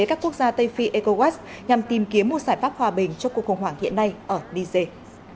các quốc gia tây phi ecowas nhằm tìm kiếm một giải pháp hòa bình cho cuộc khủng hoảng hiện nay ở niger